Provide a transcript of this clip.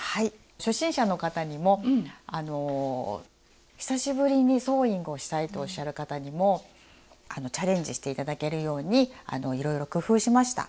初心者の方にも久しぶりにソーイングをしたいとおっしゃる方にもチャレンジして頂けるようにいろいろ工夫しました。